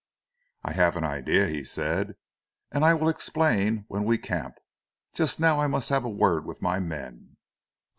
"I have an idea," he said, "and I will explain when we camp. Just now I must have a word with my men.